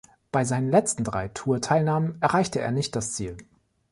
Bei seinen letzten drei Tour-Teilnahmen erreichte er nicht das Ziel.